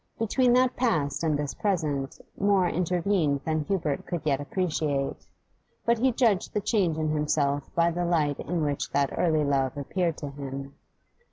Between that past and this present more intervened than Hubert could yet appreciate; but he judged the change in himself by the light in which that early love appeared to him.